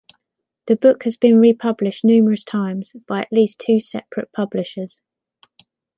The book has been republished numerous times, by at least two separate publishers.